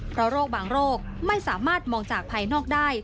เพราะโรคบางโรคไม่สามารถมองจากภายนอกได้